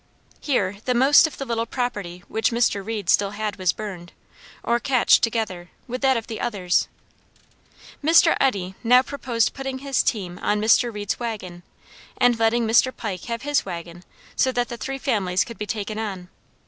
Here the most of the little property which Mr. Reed still had was burned, or cached, together with that of others. Mr. Eddy now proposed putting his team on Mr. Reed's wagon, and letting Mr. Pike have his wagon so that the three families could be taken on.